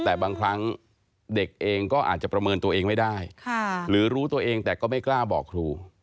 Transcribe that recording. แต่บางครั้งเด็กเองก็อาจจะประเมินตัวเองไม่ได้หรือรู้ตัวเองแต่ก็ไม่กล้าบอกครู